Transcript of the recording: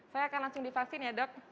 saya akan langsung divaksin ya dok